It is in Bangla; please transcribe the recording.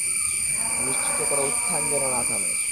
নিশ্চিত কোরো উত্থান যেন না থামে।